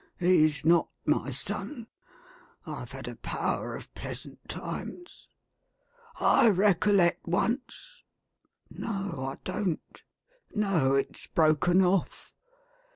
He's not my son. I've had a power of pleasant times. I recollect once — no I don't — no, it's broken off.